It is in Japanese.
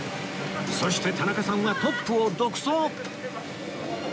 そして田中さんはトップを独走